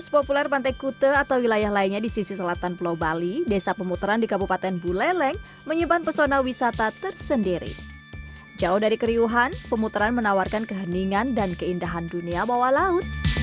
pemutaran buleleng bali